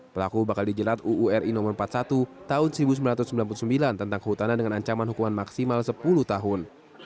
pelaku bakal dijerat uu ri no empat puluh satu tahun seribu sembilan ratus sembilan puluh sembilan tentang kehutanan dengan ancaman hukuman maksimal sepuluh tahun